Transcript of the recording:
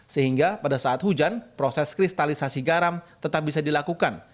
sehingga pada saat hujan proses kristalisasi garam tetap bisa dilakukan